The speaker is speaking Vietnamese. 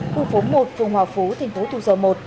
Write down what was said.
khu phố một vùng hòa phú thành phố tù giò một